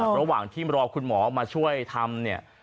ระหว่างที่รอคุณหมอมาช่วยทำเนี่ย